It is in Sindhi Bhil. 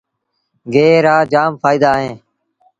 گيه رآ جآم ڦآئيدآ اوهيݩ۔